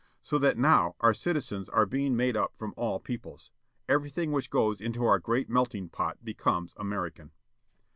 So that now our citizens are being made up from all peoples. Everything which goes into our great melting pot becomes American.